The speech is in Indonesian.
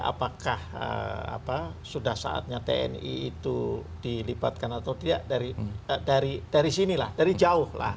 apakah sudah saatnya tni itu dilibatkan atau tidak dari sinilah dari jauh lah